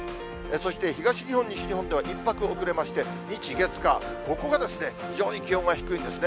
そして東日本、西日本では１拍遅れまして、日、月、火、ここが非常に気温が低いんですね。